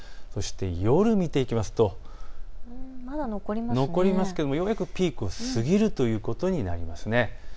夜、見ていきますとまだ残りますけれども夜はピークを過ぎるということになります。